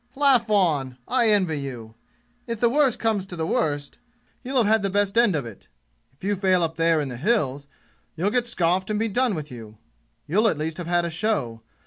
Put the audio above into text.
"Laugh on! I envy you! If the worst comes to the worst, you'll have had the best end of it. If you fail up there in the 'Hills' you'll get scoughed and be done with you. You'll at least have had a show.